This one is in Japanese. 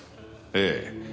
ええ。